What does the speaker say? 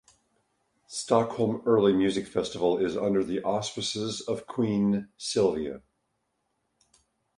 Stockholm Early Music Festival is under the auspices of Queen Silvia.